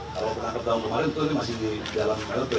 kalau tertangkap tahun kemarin itu masih di dalam peringkat